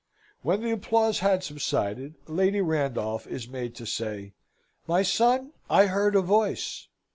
When the applause had subsided, Lady Randolph is made to say "My son, I heard a voice!"